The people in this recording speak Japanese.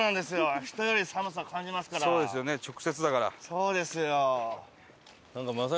そうですよね。